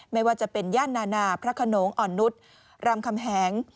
ไม่ว่าจะเป็นย่านนานาพระขนงอ่อนนุษย์รำคำแหง